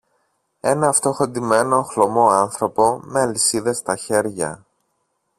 ένα φτωχοντυμένο χλωμό άνθρωπο με αλυσίδες στα χέρια.